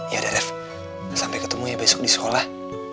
yaudah raif sampai ketemu ya besok di sekolah